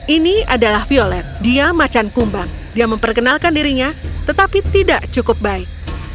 ini adalah violet dia macan kumbang dia memperkenalkan dirinya tetapi tidak cukup baik